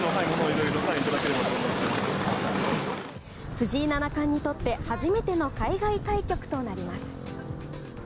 藤井七冠にとって初めての海外対局となります。